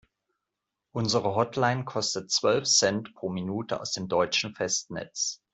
Unsere Hotline kostet zwölf Cent pro Minute aus dem deutschen Festnetz.